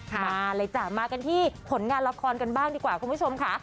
มาเลยจ้ะมากันที่ผลงานละครกันบ้างดีกว่าคุณผู้ชมค่ะ